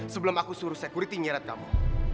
sebelum aku suruh security nyeret kamu